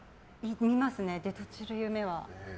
見ますね、出とちる夢は。